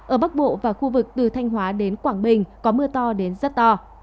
ở bắc bộ và khu vực từ thanh hóa đến quảng bình có mưa to đến rất to